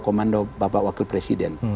komando bapak wakil presiden